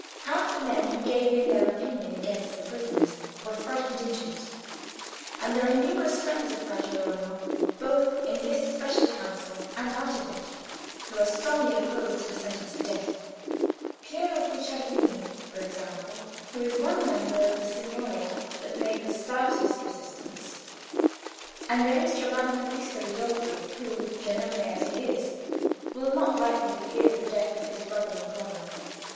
Half the men who gave in their opinion against the prisoners were frightened into it, and there are numerous friends of Fra Girolamo both in this Special Council and out of it who are strongly opposed to the sentence of death—Piero Guicciardini, for example, who is one member of the Signoria that made the stoutest resistance; and there is Giovan Battista Ridolfi, who, Piagnone as he is, will not lightly forgive the death of his brother Niccolò."